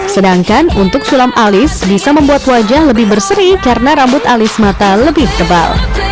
sedangkan untuk sulam alis bisa membuat wajah lebih berseri karena rambut alis mata lebih tebal